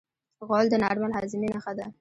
غول د نارمل هاضمې نښه ده.